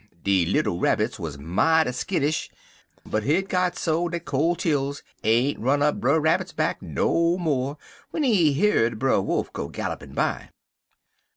De little Rabbits was mighty skittish, but hit got so dat col' chills ain't run up Brer Rabbit's back no mo' w'en he heerd Brer Wolf go gallopin' by.